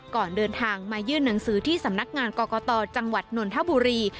ก่อนเดินทางมายื่นหนังสือที่สำนักงานกรกตจังหวัดนนทบุรี